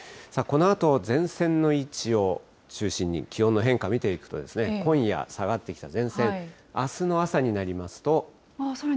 このあと、前線の位置を中心に気温の変化見ていくと、今夜下がってきた前線、あすの朝になりますと。